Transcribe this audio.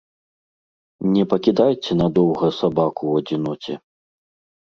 Не пакідайце надоўга сабаку ў адзіноце.